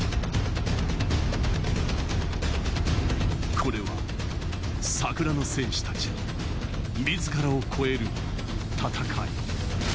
これは桜の戦士たちが自らを超える戦い。